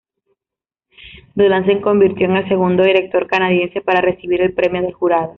Dolan se convirtió en el segundo director canadiense para recibir el Premio del jurado.